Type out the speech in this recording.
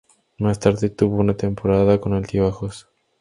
Más tarde tuvo una temporada con altibajos.